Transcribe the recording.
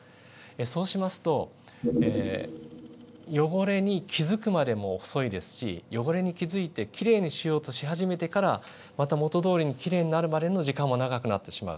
そうしますと汚れに気付くまでも遅いですし汚れに気付いてきれいにしようとし始めてからまた元どおりにきれいになるまでの時間も長くなってしまう。